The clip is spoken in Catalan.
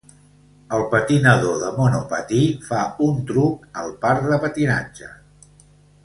El patinador de monopatí fa un truc al parc de patinatge